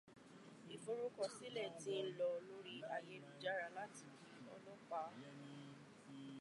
Ìforúkọ sílẹ̀ ti ń lọ lórí ayélujára láti di ọlọ́pàá.